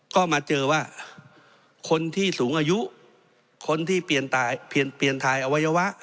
ก็มาเจอว่าคนที่สูงอายุคนที่เปลี่ยนเปลี่ยนถ่ายอวัยวะ